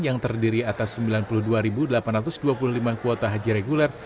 yang terdiri atas sembilan puluh dua delapan ratus dua puluh lima kuota haji reguler